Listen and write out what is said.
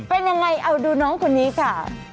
เป็นยังไงเอาดูน้องคนนี้ค่ะ